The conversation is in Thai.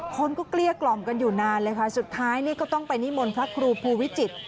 คนก็เกลี้ยกล่อมกันอยู่นานเลยค่ะสุดท้ายนี่ก็ต้องไปนิมนต์พระครูภูวิจิตร